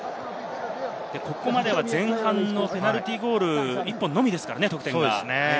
ここまでは前半のペナルティーゴール１本のみですからね、得点が。